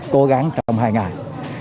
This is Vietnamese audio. cố gắng trong hai ngày